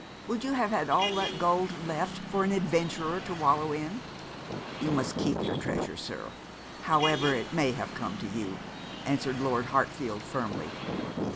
Would you have had all that gold left for an adventurer to wallow in?' 'You must keep your treasure, sir, however it may have come to you,' answered Lord Hartfield firmly.